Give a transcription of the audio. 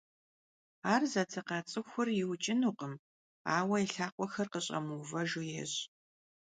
Ар зэдзэкъа цIыхур иукIынукъым, ауэ и лъакъуэхэр къыщIэмыувэжу ещI.